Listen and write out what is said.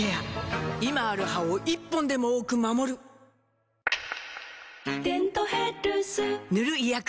今ある歯を１本でも多く守る「デントヘルス」塗る医薬品も